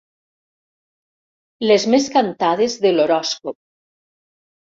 Les més cantades de l'horòscop.